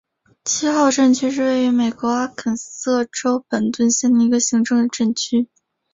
七号镇区是位于美国阿肯色州本顿县的一个行政镇区。